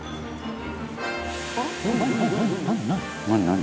「何？